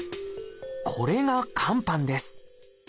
これが肝斑です。